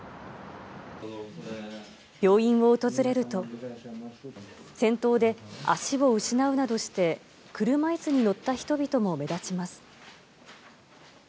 病院を訪れると、戦闘で足を失うなどして、車いすに乗った人々も目立ちます。